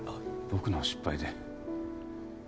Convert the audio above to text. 僕の失敗で。